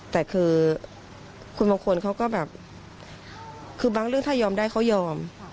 แต่คือคุณมงคลเขาก็แบบคือบางเรื่องถ้ายอมได้เขายอม